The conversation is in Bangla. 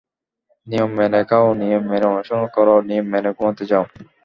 নিয়ম মেনে খাও, নিয়ম মেনে অনুশীলন কর, নিয়ম মেনে ঘুমাতে যাও।